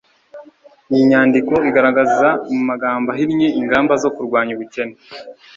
iyi nyandiko iragaragaza, mu magambo ahinnye, ingamba zo kurwanya ubukene